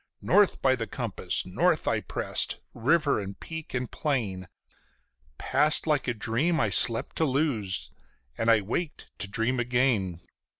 North by the compass, North I pressed; river and peak and plain Passed like a dream I slept to lose and I waked to dream again.